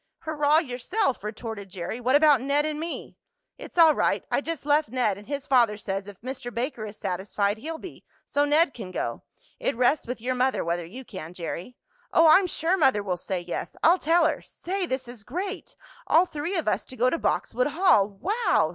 "Hurrah yourself!" retorted Jerry. "What about Ned and me?" "It's all right. I just left Ned, and his father says if Mr. Baker is satisfied he'll be, so Ned can go. It rests with your mother whether you can, Jerry." "Oh, I'm sure mother will say yes! I'll tell her! Say! this is great all three of us to go to Boxwood Hall! Wow!"